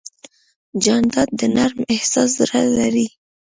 جانداد د نرم احساس زړه لري.